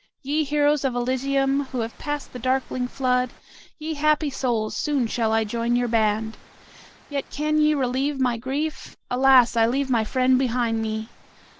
Ye heroes of Elysium, who have passed the darkling flood, ye happy souls, soon shall I join your band. Yet can ye relieve my grief? Alas, I leave my friend behind me.